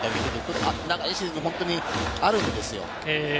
長くないシーズンであるんですよ。